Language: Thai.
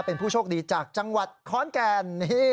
เป็นผู้โชคดีจากจังหวัดขอนแก่น